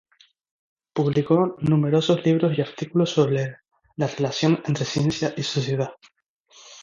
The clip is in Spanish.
Publicó numerosos libros y artículos sobre la relación entre ciencia y sociedad.